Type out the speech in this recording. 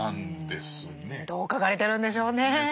どう書かれてるんでしょうねぇ。